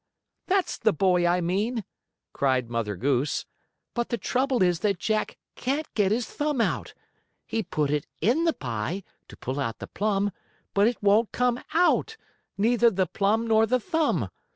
"That's the boy I mean," cried Mother Goose. "But the trouble is that Jack can't get his thumb out. He put it in the pie, to pull out the plum, but it won't come out neither the plum nor the thumb.